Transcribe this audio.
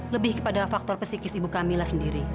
lebih kepada faktor pesikis ibu kamila sendiri